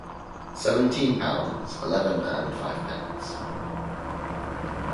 Seventeen pounds eleven and fivepence.